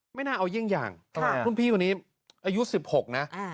ไม่น่าเอาเยี่ยมอย่างคุณพี่วันนี้อายุสิบหกนะ